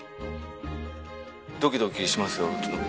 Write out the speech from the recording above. ドキドキしますよ打つの。